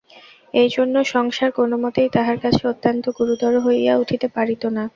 এইজন্য সংসার কোনোমতেই তাঁহার কাছে অত্যন্ত গুরুতর হইয়া উঠিতে পারিত না।